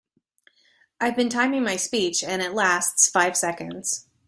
I've been timing my speech, and it lasts five seconds.